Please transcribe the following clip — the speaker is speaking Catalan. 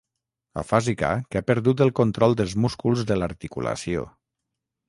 Afàsica que ha perdut el control dels músculs de l'articulació.